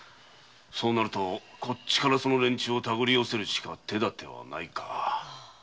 そうなるとこっちからその連中を手繰りよせるしか手はないか。